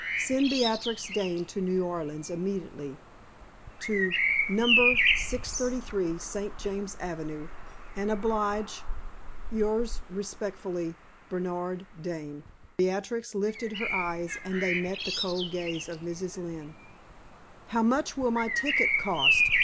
Send Beatrix Dane to New Orleans immediately to No. St. Charles Avenue, and oblige, "Yours respectfully, "BERNARD DANE." Beatrix lifted her eyes, and they met the cold gaze of Mrs. Lynne. "How much will my ticket cost?"